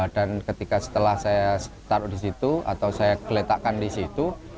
dan ketika setelah saya taruh di situ atau saya geletakkan di situ